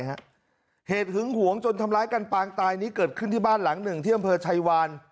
เหตุหึงหวงจนทำล้ายการปางตายนี้เกิดขึ้นชีวิตนี้บ้านหลัง๑ที่เฉพาะไชวน